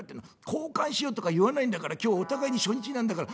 交換しようとか言わないんだから今日お互いに初日なんだから見るだけ」。